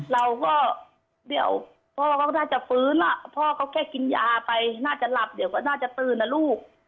เราก็เดี๋ยวพ่อก็น่าจะฟื้นพ่อก็แค่กินยาไปน่าจะหลับเดี๋ยวก็น่าจะตื่นนะลูก